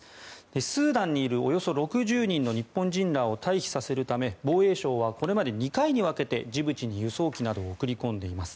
スーダンにいるおよそ６０人の日本人らを退避させるため、防衛省はこれまで２回に分けてジブチに輸送機などを送り込んでいます。